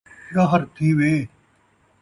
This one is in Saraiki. شہر تھیویں